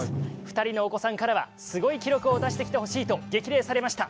２人のお子さんからはすごい記録を出してきてほしいと激励されました。